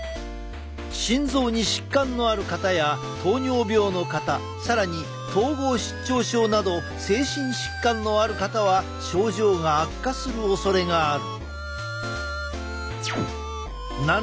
心臓に疾患のある方や糖尿病の方更に統合失調症など精神疾患のある方は症状が悪化するおそれがある。